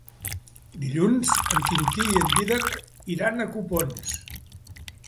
Dilluns en Quintí i en Dídac iran a Copons.